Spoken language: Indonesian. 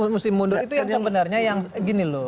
mesti mundur itu yang sebenarnya yang gini loh